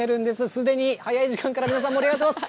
すでに早い時間から皆さん、盛り上がってます。